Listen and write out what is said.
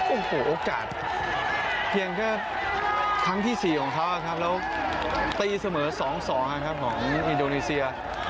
โอ้โหโอกาสเพียงแค่ครั้งที่๔ของเขาครับแล้วตีเสมอ๒๒นะครับของอินโดนีเซีย